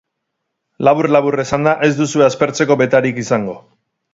Labur-labur esanda, ez duzue aspertzeko betarik izango!